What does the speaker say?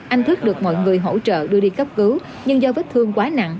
anh thức được mọi người hỗ trợ đưa đi cấp cứu nhưng do vết thương quá nặng